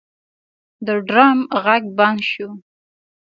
د ډرم غږ بند شو.